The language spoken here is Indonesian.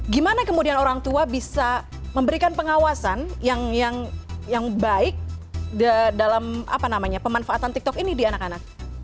gimana kemudian orang tua bisa memberikan pengawasan yang baik dalam pemanfaatan tiktok ini di anak anak